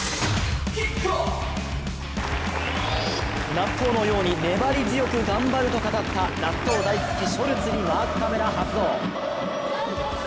納豆のように粘り強く頑張ると語った納豆大好きショルツにマークカメラ発動。